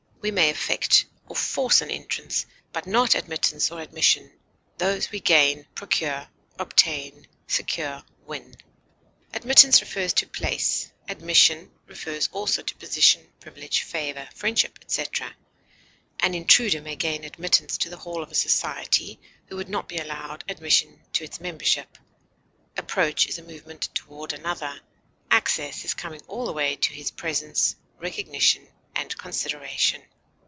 We may effect or force an entrance, but not admittance or admission; those we gain, procure, obtain, secure, win. Admittance refers to place, admission refers also to position, privilege, favor, friendship, etc. An intruder may gain admittance to the hall of a society who would not be allowed admission to its membership. Approach is a movement toward another; access is coming all the way to his presence, recognition, and consideration.